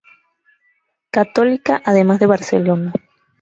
Católica, además de Barcelona.